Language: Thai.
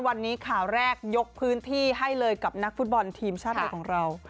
วันนี้ข่าวแรกยกพื้นที่ให้เลยกับนักฟุตบอลทีมชาติไทยของเรา